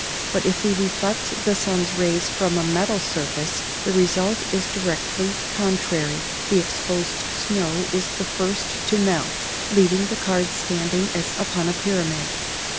But if we reflect the sun's rays from a metal surface, the result is directly contrary the exposed snow is the first to melt, leaving the card standing as upon a pyramid.